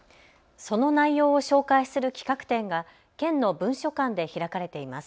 その内容を紹介する企画展が県の文書館で開かれています。